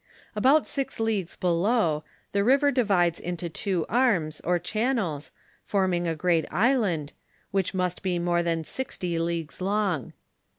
About six leagues below, the river divides into two arms, or channels, forming a great island, which must be more than sixty leagues long.